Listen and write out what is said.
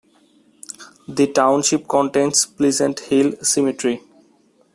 The township contains Pleasant Hill Cemetery.